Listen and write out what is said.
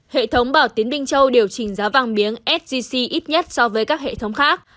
hệ thống bảo tiến binh châu điều chỉnh giá vàng biếng scg ít nhất so với các hệ thống khác